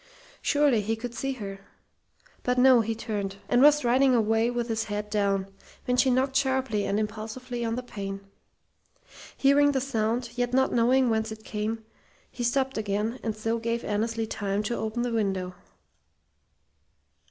Surely he could see her! But no, he turned, and was striding away with his head down, when she knocked sharply and impulsively on the pane. Hearing the sound, yet not knowing whence it came, he stopped again, and so gave Annesley time to open the window.